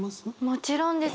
もちろんです。